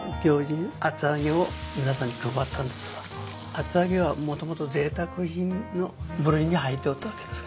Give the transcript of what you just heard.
厚揚げはもともとぜいたく品の部類に入っとったわけです。